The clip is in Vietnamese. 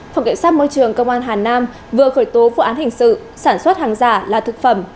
phòng kiểm soát môi trường công an hà nam vừa khởi tố vụ án hình sự sản xuất hàng giả là thực phẩm